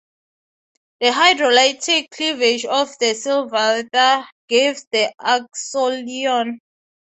The hydrolytic cleavage of the silylether gives the acyloin.